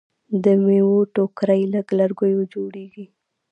د میوو ټوکرۍ له لرګیو جوړیږي.